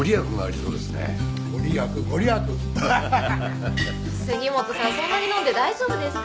そんなに飲んで大丈夫ですか？